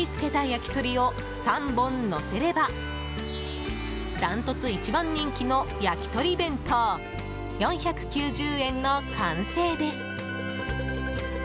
やきとりを３本のせればダントツ一番人気のやきとり弁当４９０円の完成です。